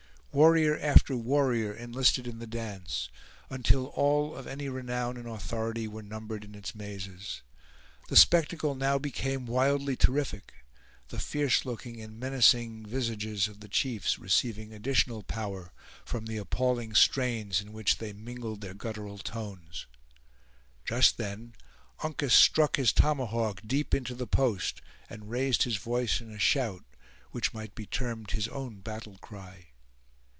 Warrior after warrior enlisted in the dance, until all of any renown and authority were numbered in its mazes. The spectacle now became wildly terrific; the fierce looking and menacing visages of the chiefs receiving additional power from the appalling strains in which they mingled their guttural tones. Just then Uncas struck his tomahawk deep into the post, and raised his voice in a shout, which might be termed his own battle cry.